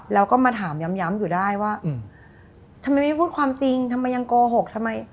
แล้วก็มาถามย้ำอยู่ได้ว่าทำไมไม่พูดความจริงทำไมยังโกหกทำไม